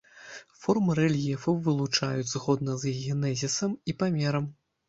Формы рэльефу вылучаюць згодна з іх генезісам і памерам.